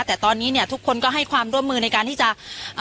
แต่ตอนนี้เนี่ยทุกคนก็ให้ความร่วมมือในการที่จะ